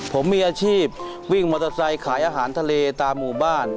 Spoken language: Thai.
ผมมีอาชีพวิ่งมอเตอร์ไซค์ขายอาหารทะเลตามหมู่บ้าน